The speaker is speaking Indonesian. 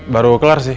baru kelar sih